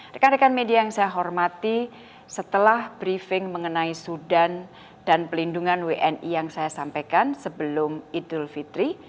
rekan rekan media yang saya hormati setelah briefing mengenai sudan dan pelindungan wni yang saya sampaikan sebelum idul fitri